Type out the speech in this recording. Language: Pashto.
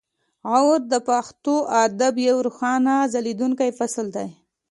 غور د پښتو ادب یو روښانه او ځلیدونکی فصل دی